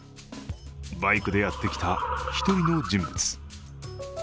バイクでやってきた１人の人物。